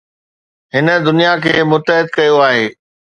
هن دنيا کي متحد ڪيو آهي